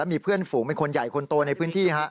มีเพื่อนฝูงเป็นคนใหญ่คนโตในพื้นที่